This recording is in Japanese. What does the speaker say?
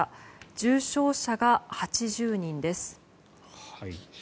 重症者が８０人です。